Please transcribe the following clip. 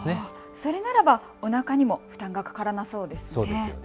それならおなかにも負担がかからなそうですね。